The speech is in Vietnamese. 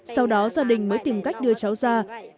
sau đó gia đình mới tìm cách đưa cháu ra